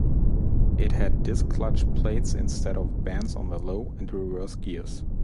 It had disc clutch plates instead of bands on the low and reverse gears.